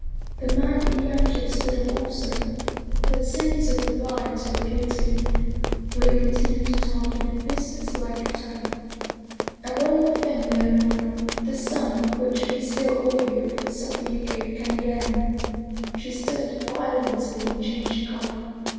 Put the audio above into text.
The man in the armchair stood up also, but seemed to be blind to her beauty, for he continued to talk in a busi nesslike tone :" And one thing more, Leonora, the sum which we still owe you for the supper you gave Candiano " She started violently and changed color.